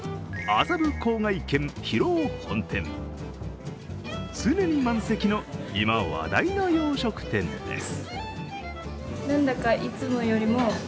麻布笄軒広尾本店、常に満席の、今話題の洋食店です。